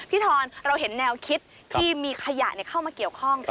ทอนเราเห็นแนวคิดที่มีขยะเข้ามาเกี่ยวข้อง